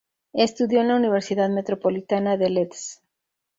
Estudió en la Universidad Metropolitana de Leeds.